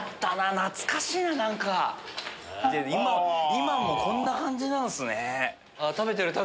今もこんな感じなんすね。